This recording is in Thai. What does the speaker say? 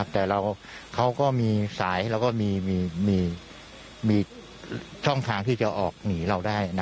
แต่เขาก็มีสายแล้วก็มีช่องทางที่จะออกหนีเราได้